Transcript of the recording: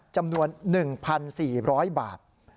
จำนวน๑๔๐๐บาท